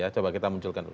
coba kita munculkan dulu